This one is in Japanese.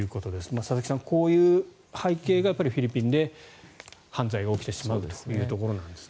佐々木さん、こういう背景がフィリピンで犯罪が起きてしまうというところなんですね。